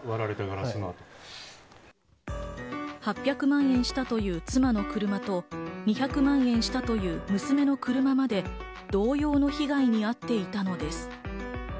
８００万円したという妻の車と、２００万円したという娘の車まで同様の被害に遭っていたのです。